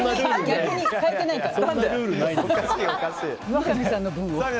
三上さんの分を。